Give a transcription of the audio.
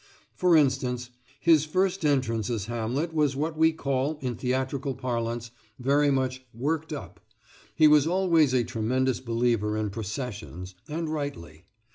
For instance, his first entrance as Hamlet was what we call, in theatrical parlance, very much "worked up." He was always a tremendous believer in processions, and rightly.